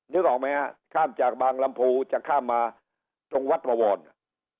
นึกออกไหมฮะข้ามจากบางลำพูจะข้ามมาตรงวัดพวรอ่ะ